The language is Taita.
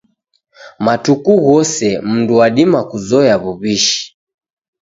Matuku ghose mdu wadima kuzoya w'uw'ishi.